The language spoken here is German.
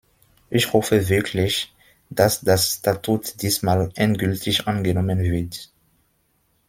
Ich hoffe wirklich, dass das Statut diesmal endgültig angenommen wird.